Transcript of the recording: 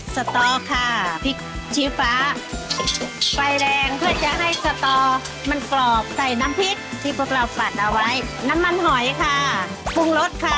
สตอค่ะพริกชี้ฟ้าไฟแดงเพื่อจะให้สตอมันกรอบใส่น้ำพริกที่พวกเราปัดเอาไว้น้ำมันหอยค่ะปรุงรสค่ะ